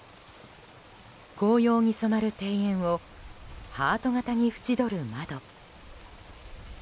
紅葉に染まる庭園をハート形に縁取る窓。